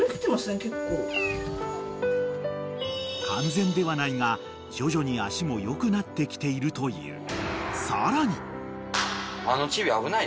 ［完全ではないが徐々に足も良くなってきているという］